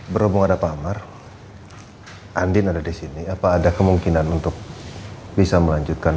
berhubung ada pak amar andin ada di sini apa ada kemungkinan untuk bisa melanjutkan